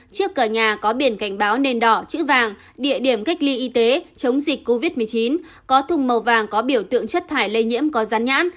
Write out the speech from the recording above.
trước cửa nhà có biển cảnh báo nền đỏ chữ vàng địa điểm cách ly y tế chống dịch covid một mươi chín có thùng màu vàng có biểu tượng chất thải lây nhiễm có rán nhãn